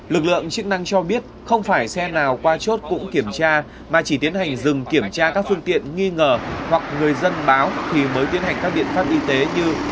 lực lượng chức năng cho biết không phải xe nào qua chốt cũng kiểm tra mà chỉ tiến hành dừng kiểm tra các phương tiện nghi ngờ hoặc người dân báo thì mới tiến hành các biện pháp y tế như